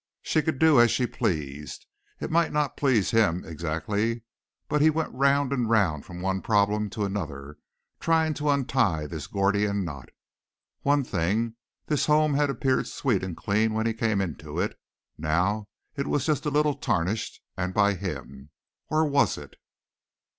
She could do as she pleased. It might not please him exactly but he went round and round from one problem to another, trying to untie this Gordian knot. One thing, this home had appeared sweet and clean when he came into it; now it was just a little tarnished, and by him! Or was it?